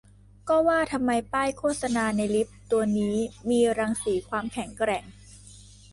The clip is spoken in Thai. ก็ว่าทำไมป้ายโฆษณาในลิฟต์ตัวนี้มีรังสีความแข็งแกร่ง